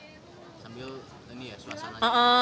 sambil ini ya suasana